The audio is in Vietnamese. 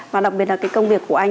và đặc biệt là cái công việc của anh